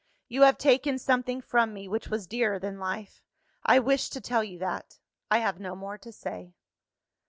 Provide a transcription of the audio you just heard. You have taken something from me, which was dearer than life, I wished to tell you that I have no more to say."